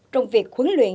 trong việc khuấn luyện